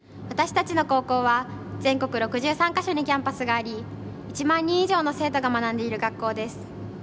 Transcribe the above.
私たちの高校は全国６３か所にキャンパスがあり１万人以上の生徒が学んでいる学校です。